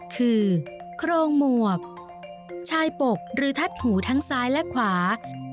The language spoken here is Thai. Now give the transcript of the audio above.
คือโครงหมวกชายปกหรือทัดหูทั้งซ้ายและขวา